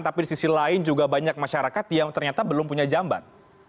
tapi di sisi lain juga banyak masyarakat yang ternyata belum punya jamban